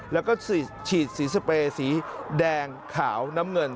แล้วก็ฉีดสีสเปรย์สีแดงขาวน้ำเงิน